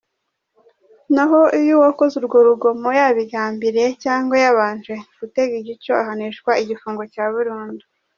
Naho iyo uwakoze urwo rugomo yabigambiriye cyangwa yabanje gutega igico, ahanishwa igifungo cya burundu.